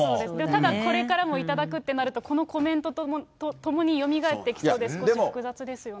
ただこれからも頂くとなると、このコメントとともによみがえってきそうで、少し複雑ですよね。